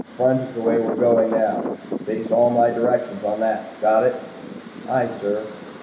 Front is the way we're going now base all my directions on that got it?" "Aye, sir."